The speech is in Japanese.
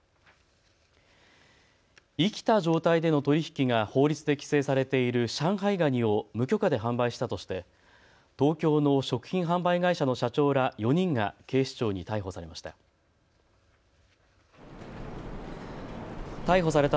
生きた状態での取り引きが法律で規制されている上海ガニを無許可で販売したとして東京の食品販売会社の社長ら４人が警視庁に逮捕されました。